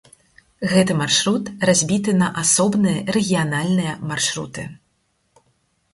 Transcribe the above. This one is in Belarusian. Гэты маршрут разбіты на асобныя рэгіянальныя маршруты.